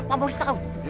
pak bau kita pak